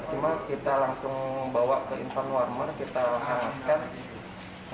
cuma kita langsung bawa ke infan warmer kita hangatkan